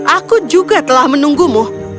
aku juga telah menunggumu